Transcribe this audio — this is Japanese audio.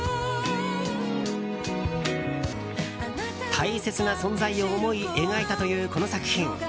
大切な存在を思い描いたというこの作品。